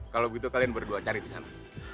kalau begitu kalian berdua cari di sana